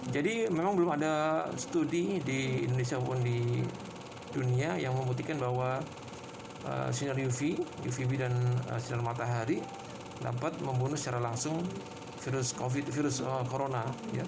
jadi memang belum ada studi di indonesia maupun di dunia yang membuktikan bahwa sinar uv uvb dan sinar matahari dapat membunuh secara langsung virus corona